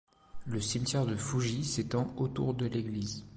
Le cimetière de Fougy s'étend autour de l'église.